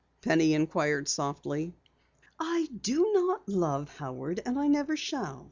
Penny inquired softly. "I do not love Howard, and I never shall.